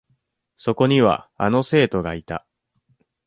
そこには、あの生徒がいた。